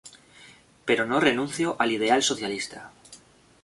Pero no renuncio al ideal socialista.